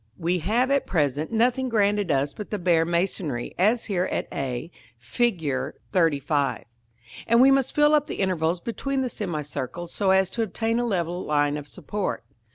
We have at present nothing granted us but the bare masonry, as here at a, Fig. XXXV., and we must fill up the intervals between the semicircle so as to obtain a level line of support.